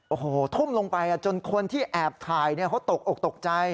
โอ้โหทุ่มลงไปจนคนที่แอบถ่ายเขาตกอกตกใจ